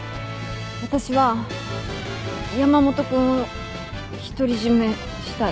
私は山本君を独り占めしたい